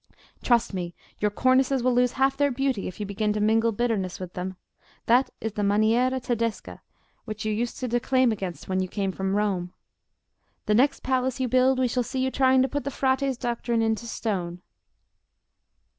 Trust me, your cornices will lose half their beauty if you begin to mingle bitterness with them; that is the maniera Tedesca which you used to declaim against when you came from Rome. The next palace you build we shall see you trying to put the Frate's doctrine into stone."